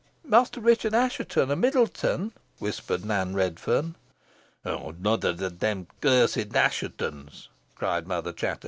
] "Master Richard Assheton, o' Middleton," whispered Nan Redferne. "Another of these accursed Asshetons," cried Mother Chattox.